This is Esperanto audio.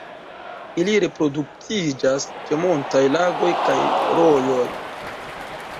Ili reproduktiĝas ĉe montaj lagoj kaj rojoj.